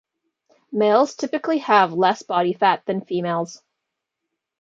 Males typically have less body fat than females.